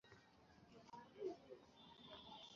ঠিক আছে, যাও।